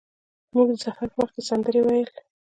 موږ د سفر په وخت کې سندرې ویل.